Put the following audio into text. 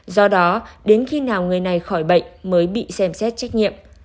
do đó đến khi nào người này khỏi bệnh mới bị xem xét trách nhiệm